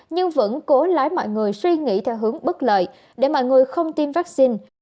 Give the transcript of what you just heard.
nhưng vẫn cố lái mọi người suy nghĩ theo hướng bất lợi để mọi người không tiêm vaccine